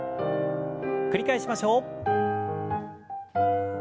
繰り返しましょう。